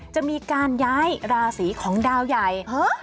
จะมีการย้ายราศีของดาวใหญ่